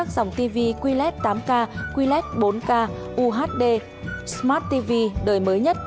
số điện thoại chín trăm tám mươi chín tám trăm năm mươi một chín trăm một mươi chín